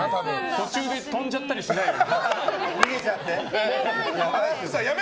途中で飛んじゃったりしないの？